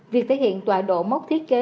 việc thể hiện tọa độ mốc thiết kế